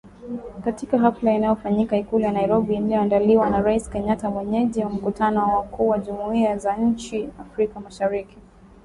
Katika hafla iliyofanyika Ikulu ya Nairobi iliyoandaliwa na Rais Kenyatta mwenyeji wa mkutano wa wakuu wa jumuhiya za inchi za Afrika ya Mashariki